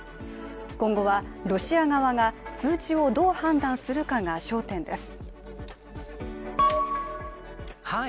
今後はロシア側が通知をどう判断するかが焦点です。